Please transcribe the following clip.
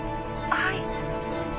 ☎はい。